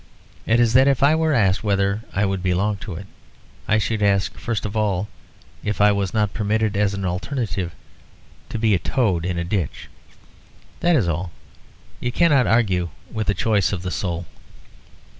It is, that if I were asked whether I would belong to it, I should ask first of all, if I was not permitted, as an alternative, to be a toad in a ditch. That is all. You cannot argue with the choice of the soul."